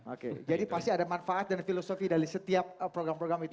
oke jadi pasti ada manfaat dan filosofi dari setiap program program itu